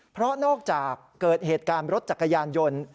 เพราะนอกจากเกิดเหตุการณ์รถจักรยานยนต์